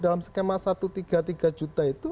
dalam skema satu tiga tiga juta itu